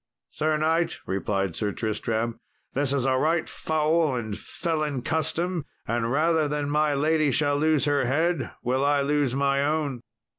"Sir knight," replied Sir Tristram, "this is a right foul and felon custom, and rather than my lady shall lose her head will I lose my own."